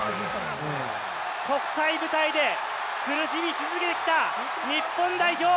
国際舞台で苦しみ続けてきた日本代表。